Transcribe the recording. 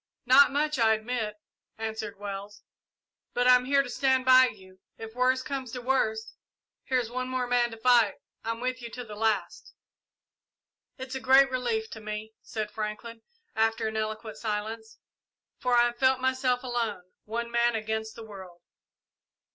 "Not much, I admit," answered Wells; "but I'm here to stand by you. If worst comes to worst, here's one more man to fight. I'm with you to the last." "It is a great relief to me," said Franklin, after an eloquent silence, "for I have felt myself alone one man against the world."